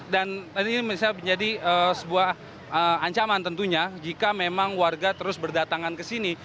dan ini bisa menjadi sebuah ancaman tentunya jika memang warga terus berdatangan ke sini